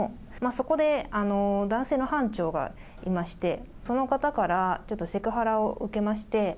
そこで男性の班長がいまして、その方から、ちょっとセクハラを受けまして。